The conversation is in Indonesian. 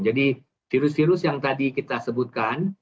jadi virus virus yang tadi kita sebutkan